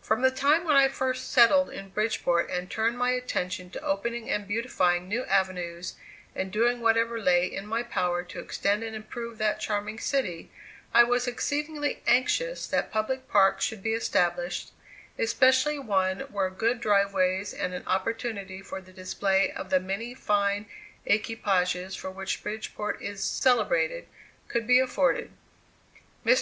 From the time when I first settled in Bridgeport and turned my attention to opening and beautifying new avenues, and doing whatever lay in my power to extend and improve that charming city, I was exceedingly anxious that public parks should be established, especially one where good drive ways, and an opportunity for the display of the many fine equipages for which Bridgeport is celebrated, could be afforded. Mr.